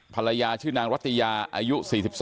ภรรยาชื่อนางรัตยาอายุ๔๒